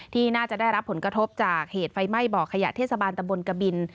ที่น่าจะได้รับผลกระทบจากเหตุไฟไหม้บ่อขยะเทศบาลตะบนกบิน